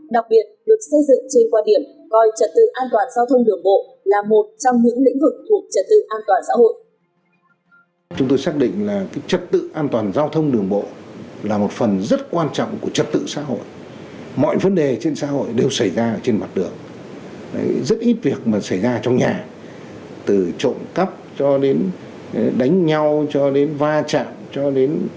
đặc biệt được xây dựng trên quan điểm coi trật tự an toàn giao thông đường bộ là một trong những lĩnh vực thuộc trật tự an toàn xã hội